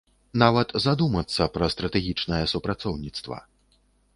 Нават задумацца пра стратэгічнае супрацоўніцтва.